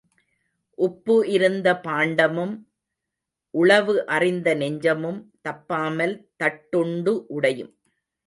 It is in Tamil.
உப்பு இருந்த பாண்டமும் உளவு அறிந்த நெஞ்சமும் தப்பாமல் தட்டுண்டு உடையும்.